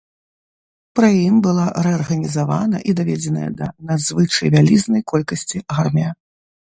Пры ім была рэарганізавана і даведзеная да надзвычай вялізнай колькасці армія.